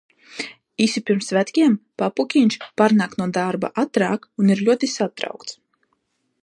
Īsi pirms svētkiem papukiņš pārnāk no darba ātrāk un ir ļoti satraukts.